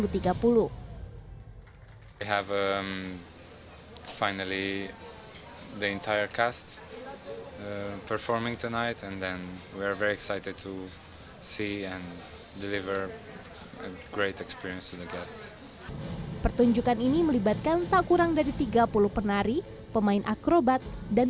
saya sangat teruja untuk melihat dan memberikan pengalaman yang bagus kepada penonton